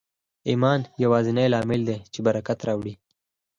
ایمان یوازېنی لامل دی چې برکت راوړي